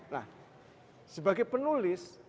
nah sebagai penulis